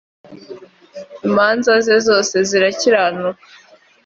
imanza ze zose zirakiranuka